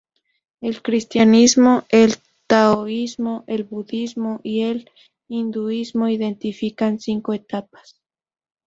El cristianismo, el taoísmo, el budismo y el hinduismo identifican cinco etapas.